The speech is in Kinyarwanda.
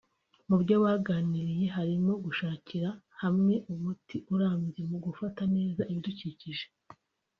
Mu byo baganiriye harimo gushakira hamwe umuti urambye mu gufata neza ibidukikije